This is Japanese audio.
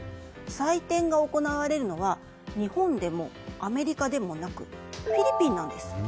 採点が行われるのは日本でもアメリカでもなくフィリピンなんです。